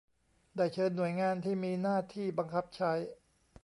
ได้เชิญหน่วยงานที่มีหน้าที่บังคับใช้